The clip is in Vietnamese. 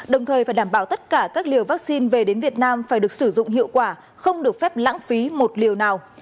đồng thời phải đảm bảo tất cả các liều vaccine về đến việt nam phải được sử dụng hiệu quả không được phép lãng phí một liều nào